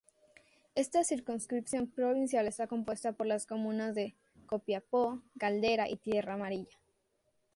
Esta circunscripción provincial está compuesta por las comunas de: Copiapó, Caldera y Tierra Amarilla.